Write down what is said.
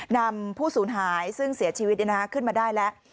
นำผู้สูญหายซึ่งเสียชีวิตขึ้นมาได้แล้ว